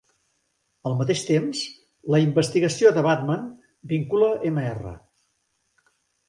Al mateix temps, la investigació de Batman vincula Mr.